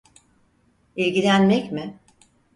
İlgilenmek mi?